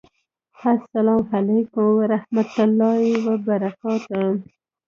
اسلام اعلیکم ورحمت الله وبرکاته